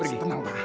pergi tenang pak